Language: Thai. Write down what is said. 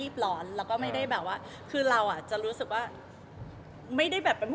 สาเหตุครับหลักเลยได้ไหม